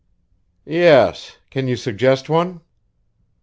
"Yes. Can you suggest one?"